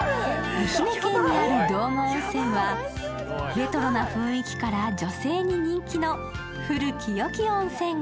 愛媛県にある道後温泉はレトロな雰囲気から女性に人気の古き良き温泉街。